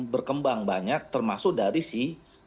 berkembang banyak termasuk dari si